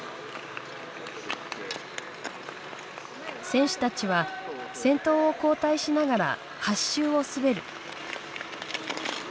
選手たちは先頭を交代しながら８周を滑る。